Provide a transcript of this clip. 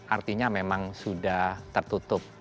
artinya memang sudah tertutup